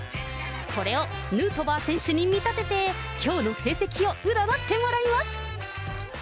これをヌートバー選手に見立てて、きょうの成績を占ってもらいます。